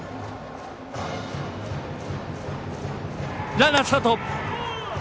ランナー、スタート。